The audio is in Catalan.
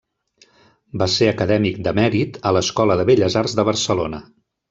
Va ser acadèmic de mèrit a l'Escola de Belles Arts de Barcelona.